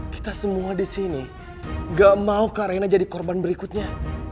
kita semua di sini enggak mau kak raina jadi korban berikutnya